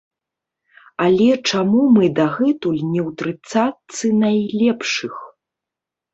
Але чаму мы дагэтуль не ў трыццатцы найлепшых?